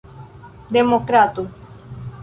demokrato